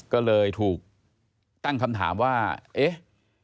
ก็เลยถูกตั้งคำถามว่าเอ๊ะ